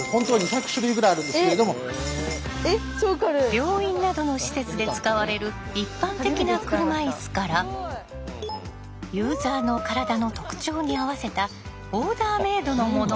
病院などの施設で使われる一般的な車いすからユーザーの体の特徴に合わせたオーダーメードのものまで。